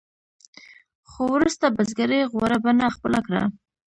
خو وروسته بزګرۍ غوره بڼه خپله کړه.